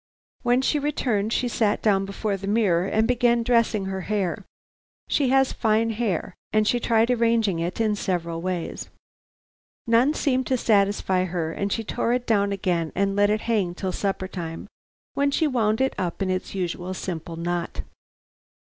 When she returned she sat down before the mirror and began dressing her hair. She has fine hair, and she tried arranging it in several ways. None seemed to satisfy her, and she tore it down again and let it hang till supper time, when she wound it up in its usual simple knot. Mrs.